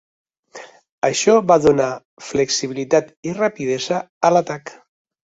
Això va donar flexibilitat i rapidesa a l'atac.